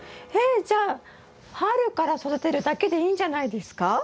えっじゃあ春から育てるだけでいいんじゃないですか？